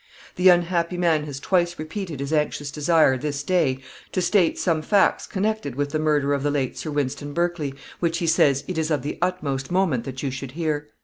The unhappy man has twice repeated his anxious desire, this day, to state some facts connected with the murder of the late Sir Wynston Berkley, which, he says, it is of the utmost moment that you should hear.